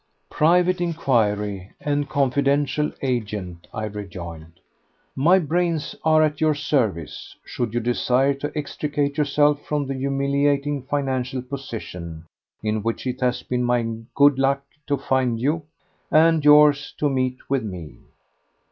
"Private inquiry and confidential agent," I rejoined. "My brains are at your service should you desire to extricate yourself from the humiliating financial position in which it has been my good luck to find you, and yours to meet with me."